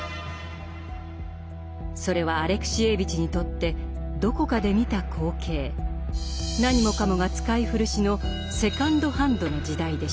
それはアレクシエーヴィチにとってどこかで見た光景何もかもが使い古しの「セカンドハンドの時代」でした。